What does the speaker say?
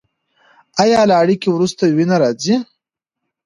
ایا له اړیکې وروسته وینه راځي؟